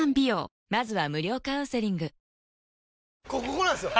ここなんですよ。